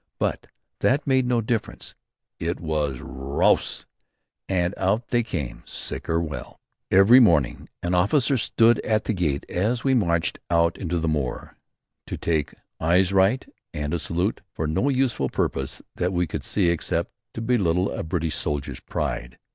But that made no difference. It was "Raus!" and out they came, sick or well. Every morning an officer stood at the gate as we marched out to the moor, to take "Eyes right" and a salute, for no useful purpose that we could see except to belittle a British soldier's pride.